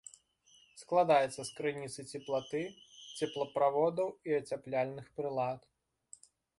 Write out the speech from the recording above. Складаецца з крыніцы цеплаты, цеплаправодаў і ацяпляльных прылад.